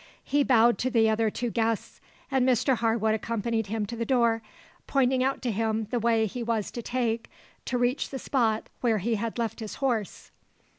He bowed to the two other guests, and Mr Harwood accompanied him to the door, pointing out to him the way he was to take to reach the spot where he had left his horse.